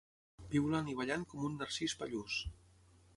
Piulant i ballant com un Narcís pallús.